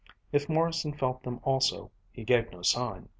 If Morrison felt them also, he gave no sign.